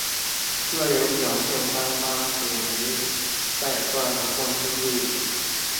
个人奖项颁发给每赛段的冠军队伍。